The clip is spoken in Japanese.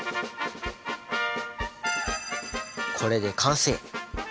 これで完成！